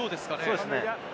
そうですね。